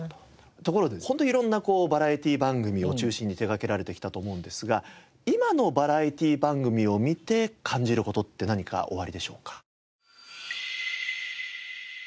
ところで本当にいろんなバラエティー番組を中心に手掛けられてきたと思うんですが今のバラエティー番組を見て感じる事って何かおありでしょうか？